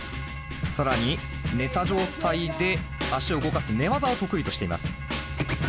更に寝た状態で足を動かす寝技を得意としています。